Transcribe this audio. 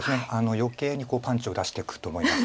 余計にパンチを出していくと思います。